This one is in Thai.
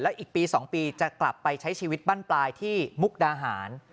อีกปี๒ปีจะกลับไปใช้ชีวิตบ้านปลายที่มุกดาหาร